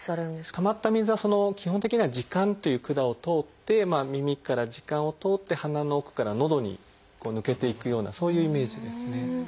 たまった水は基本的には耳管という管を通って耳から耳管を通って鼻の奥から喉に抜けていくようなそういうイメージですね。